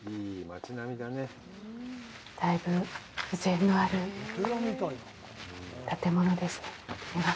だいぶ風情のある建物ですね。